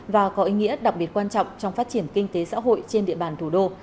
và có ý nghĩa đặc biệt quan trọng trong phát triển kinh tế xã hội trên địa bàn thủ đô